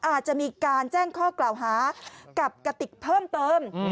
อาจจะมีการแจ้งข้อกล่าวหากับกติกเพิ่มเติม